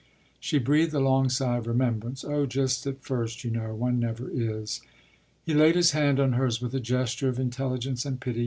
” She breathed a long sigh of remembrance. “Oh, just at first, you know one never is.” He laid his hand on hers with a gesture of intelligence and pity.